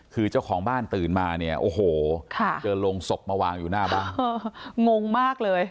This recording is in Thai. คือเจ้าของบ้านตื่นมานะโอ้โหจนโรงศพมาวางอยู่หน้าบ้างเลยวะครับฮ่างงมากเลย